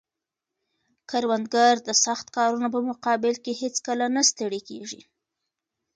کروندګر د سخت کارونو په مقابل کې هیڅکله نه ستړی کیږي